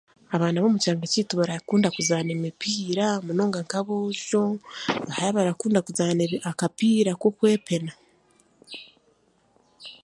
Abaana b'omukyanga kyaitu barakunda kuzaana emipiira munonga nka aboojo, hariho abarakunda kuzaana ebi akapiira k'okwepena